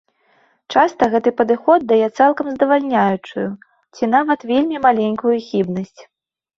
Часта гэты падыход дае цалкам здавальняючую ці нават вельмі маленькую хібнасць.